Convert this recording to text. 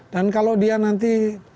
dan kalau dia nanti